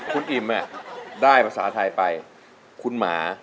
คุณอิ่มได้ภาษาไทยไปคุณหมา